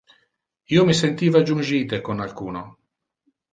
Io me sentiva jungite con alcuno.